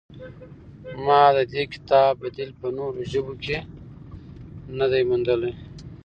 ما د دې کتاب بدیل په نورو ژبو کې نه دی موندلی.